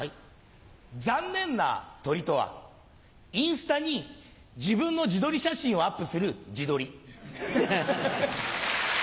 残念な鳥とはインスタに自分の自撮り写真をアップするジドリ。